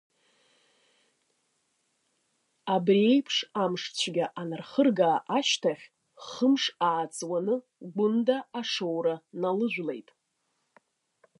Абри еиԥш амшцәгьа анырхырга ашьҭахь, хымш ааҵуаны Гәында ашоура налыжәлеит.